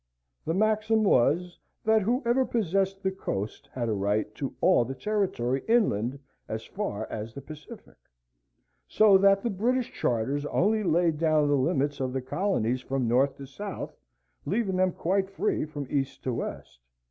The maxim was, that whoever possessed the coast had a right to all the territory inland as far as the Pacific; so that the British charters only laid down the limits of the colonies from north to south, leaving them quite free from east to west.